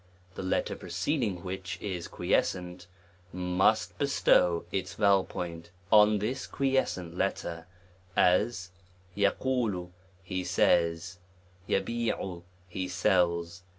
the letter preceding which is quiescent, must bestow its vowel point on 9 *9 , 9 A this quiescent letter, as } jiu lie says, *AAJ lie sells